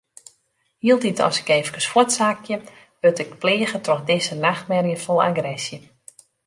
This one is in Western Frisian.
Hieltyd as ik eefkes fuortsakje, wurd ik pleage troch dizze nachtmerje fol agresje.